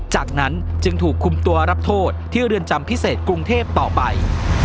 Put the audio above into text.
จากนั้นจึงถูกคุมตัวรับโทษที่เรือนจำพิเศษกรุงเทพต่อไป